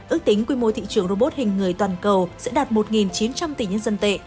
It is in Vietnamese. ước tính quy mô thị trường robot hình người toàn cầu sẽ đạt một chín trăm linh tỷ nhân dân tệ